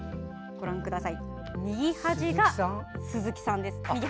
右端が鈴木さんです。